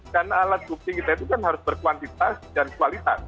karena alat bukti kita itu kan harus berkuantitas dan kualitas